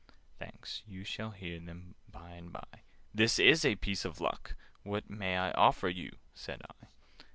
"Thanks! You shall hear them by and by. This is a piece of luck!" "What may I offer you?" said I.